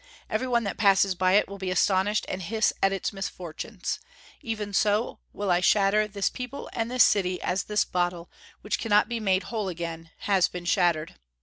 Every one that passes by it will be astonished and hiss at its misfortunes. Even so will I shatter this people and this city, as this bottle, which cannot be made whole again, has been shattered."